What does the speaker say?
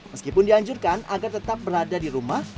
meskipun dianjurkan agar tetap berada di rumah